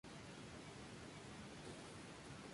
La humedad relativa en general es baja en todo el Sistema.